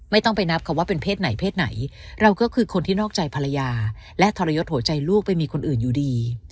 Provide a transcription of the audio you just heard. ไม่ต้องไปนับค่ะว่าเป็นเพศไหนเพศไหนเราก็คือคนที่นอกใจภรรยาและทรยศหัวใจลูกไปมีคนอื่นอยู่ดี